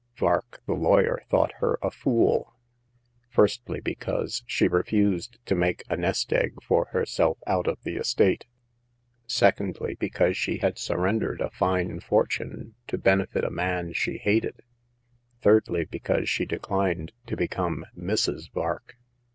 Vark, the lawyer, thought her a fool. Firstly, because she refused to make a nest egg for her self out of the estate ; secondly, because she had surrendered a fine fortune to benefit a man she hated ; thirdly, because she declined to become Mrs. Vark.